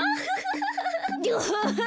ハハハハ。